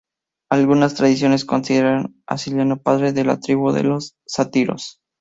Algunas tradiciones consideran a Sileno padre de la tribu de los sátiros.